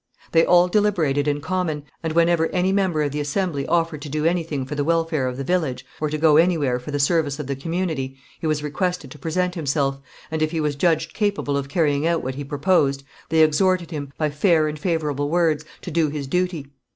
They all deliberated in common, and whenever any member of the assembly offered to do anything for the welfare of the village, or to go anywhere for the service of the community, he was requested to present himself, and if he was judged capable of carrying out what he proposed, they exhorted him, by fair and favourable words, to do his duty.